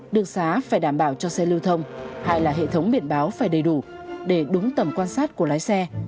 đường xá phải đảm bảo cho xe lưu thông hay là hệ thống biển báo phải đầy đủ để đúng tầm quan sát của lái xe